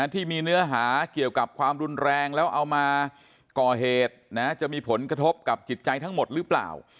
ที่มีเนื้อหาเกี่ยวกับความรุนแรงแล้วเอามาก่อเหตุจะมีผลกระทบกับจิตใจทั้งหมดหรือเปล่า